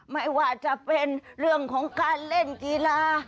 ไม่ว่าจะเป็นเรื่องของการเล่นกีฬา